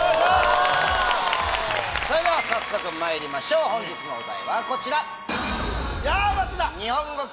それでは早速まいりましょう本日のお題はこちら。